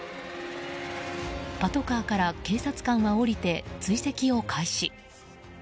パトカーから警察官が降りて追跡を開始。